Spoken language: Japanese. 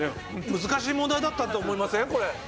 難しい問題だったって思いません？